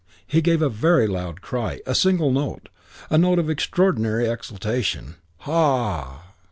He gave a very loud cry. A single note. A note of extraordinary exultation: "Ha!"